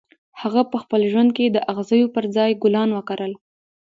هغه په خپل ژوند کې د اغزیو پر ځای ګلان وکرل